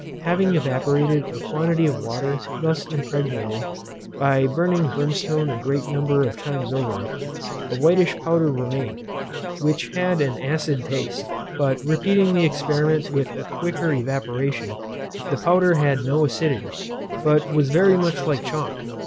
Having evaporated a quantity of water thus impregnated, by burning brimstone a great number of times over it, a whitish powder remained, which had an acid taste; but repeating the experiment with a quicker evaporation, the powder had no acidity, but was very much like chalk.